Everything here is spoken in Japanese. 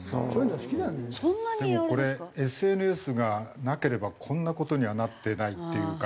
でもこれＳＮＳがなければこんな事にはなってないっていうか。